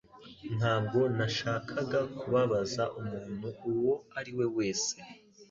Ntabwo nashakaga kubabaza umuntu uwo ari we wese